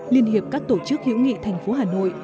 liên hiệp các tổ chức hữu nghị thành phố hà nội